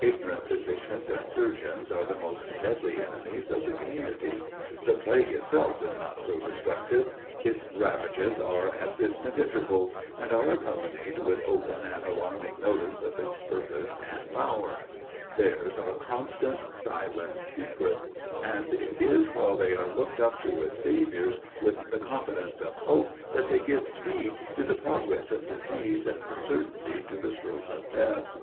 Ignorant physicians and surgeons are the most deadly enemies of the community: the plague itself is not so destructive; its ravages are at distant intervals, and are accompanied with open and alarming notice of its purpose and power; theirs are constant, silent, secret; and it is while they are looked up to as saviours, with the confidence of hope, that they give speed to the progress of disease and certainty to the stroke of death.